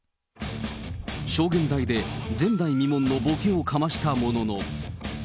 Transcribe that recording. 証言台で前代未聞のぼけをかましたものの。